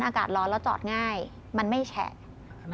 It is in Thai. อากาศร้อนแล้วจอดง่ายมันไม่แฉะ